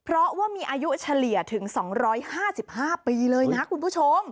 เพราะว่ามีอายุเฉลี่ยถึง๒๕๕ปีเลยนะคุณผู้ชม